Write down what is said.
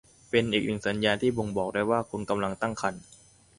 เป็นอีกหนึ่งสัญญาณที่บ่งบอกได้ว่าคุณกำลังตั้งครรภ์